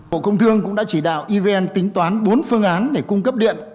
bộ công thương cũng đã chỉ đạo evn tính toán bốn phương án để cung cấp điện